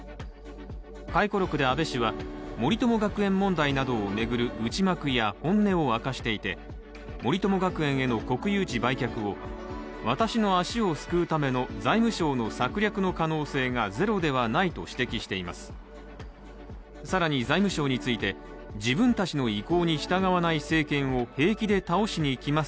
回顧録で安倍氏は、森友学園問題を巡る打ち町や本音を明かしていて森友学園への国有地売却を私の足をすくうための財務省の策略の可能性がゼロではないと指摘しています。